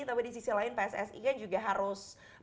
tapi di sisi lain pssi kan juga harus